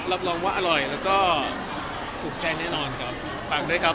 รับรองว่าอร่อยแล้วก็ถูกใจแน่นอนครับฟังด้วยครับ